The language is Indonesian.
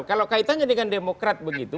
kalau kaitannya dengan demokrat begitu